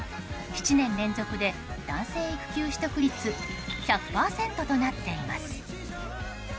７年連続で男性育休取得率１００％となっています。